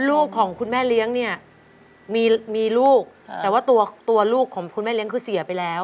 ลูกของคุณแม่เลี้ยงเนี่ยมีมีลูกแต่ว่าตัวตัวลูกของคุณแม่เลี้ยงคือเสียไปแล้ว